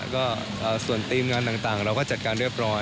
ก็ส่วนทีมงานต่างเราก็จัดการเรียบร้อย